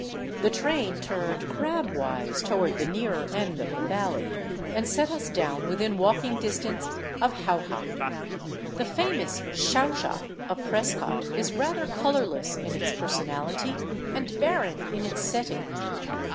The train turned crab wise toward the nearer end of the valley, and set us down within walking distance of Jauja. The famous " Xauxa " of Prescott is rather colorless in Its person ality and barren in its setting.